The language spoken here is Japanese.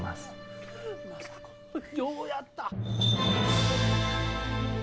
政子ようやった。